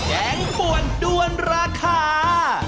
งป่วนด้วนราคา